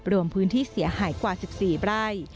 รวมพื้นที่เสียหายกว่า๑๔ไร่